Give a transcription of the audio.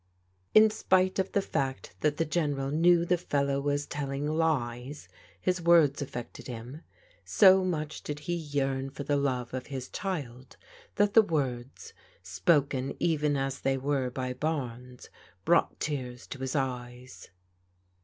In spite of the fact that the General knew the fellow was telling lies, his words affected him. So much did he yearn for the love of his child, that the words, spoken even as they were by Barnes, brought tears to his eyes.